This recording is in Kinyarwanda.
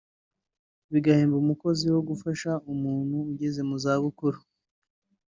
bigahemba umukozi wo gufasha umuntu ugeze mu zabukuru